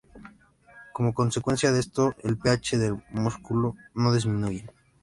Como consecuencia de esto el pH del músculo no disminuye.